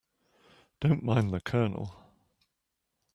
Don't mind the Colonel.